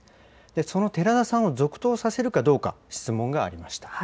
その寺田さんを続投させるかどうか、質問がありました。